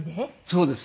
そうです。